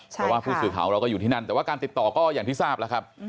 เพราะว่าผู้สื่อข่าวเราก็อยู่ที่นั่นแต่ว่าการติดต่อก็อย่างที่ทราบแล้วครับ